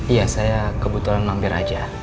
iya saya kebetulan mampir aja